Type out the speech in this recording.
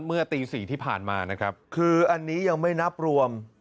เมื่อตี๔ที่ผ่านมานะครับคืออันนี้ยังไม่นับรวม